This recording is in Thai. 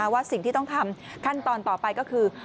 ว่าสิ่งที่ต้องทำขั้นตอนต่อไปก็คือ